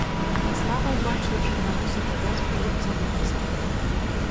Слава ўбачыла чарнавусага дзядзьку з дубцом у руцэ.